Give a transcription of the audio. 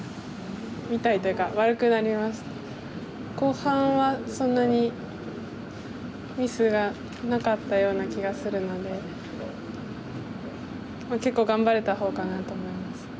みたいというか後半はそんなにミスがなかったような気がするのでまあ結構頑張れた方かなと思います。